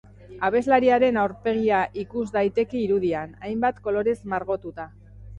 Abeslariaren aurpegia ikus daiteke irudian, hainbat kolorez margotuta.